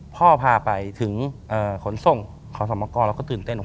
พาไปถึงขนส่งขอสมกรเราก็ตื่นเต้น